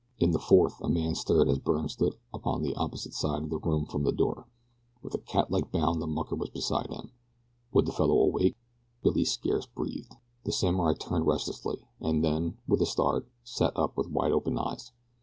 In the fourth a man stirred as Byrne stood upon the opposite side of the room from the door with a catlike bound the mucker was beside him. Would the fellow awake? Billy scarce breathed. The samurai turned restlessly, and then, with a start, sat up with wide open eyes.